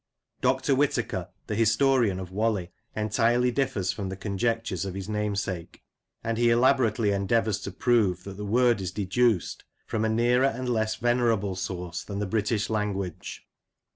Dr. Whitaker, the historian of Whalley, entirely differs from the conjectures of his namesake, and he elaborately endeavours to prove that the word • is deduced " from a nearer and less venerable source than the British language."